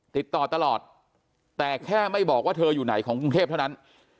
ติดต่อตลอดแต่แค่ไม่บอกว่าเธออยู่ไหนของกรุงเทพเท่านั้น